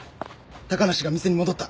高梨が店に戻った。